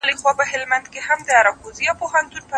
قصاب وګوره چي څومره غیرتمن دی